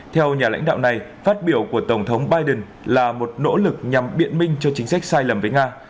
theo nhà lãnh đạo này phát biểu của tổng thống biden là một nỗ lực nhằm biện minh cho chính sách sai lầm với nga